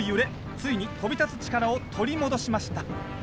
ついに飛び立つ力を取り戻しました